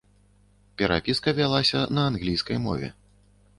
Перапіска вялася на англійскай мове.